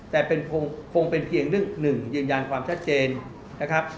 แต่คงเป็นเพียงเรื่องหนึ่งยืนยันความชัดเจนนะครับ